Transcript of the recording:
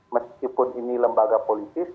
meskipun ini lembaga politik